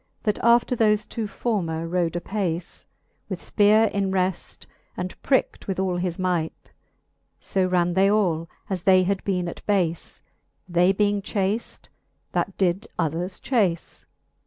That after thole two former rode apace. With fpeare in reft, and prickt with all his might : So ran they all, as they had bene at bace, They being chafed, that did others chafe.